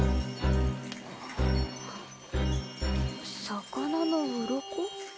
魚のうろこ？